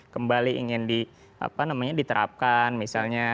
kembali ingin diterapkan misalnya